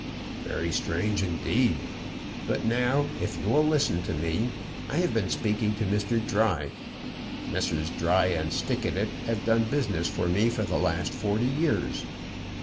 "Very strange indeed! But now, if you will listen to me I have been speaking to Mr. Dry. Messrs. Dry and Stickatit have done business for me for the last forty years.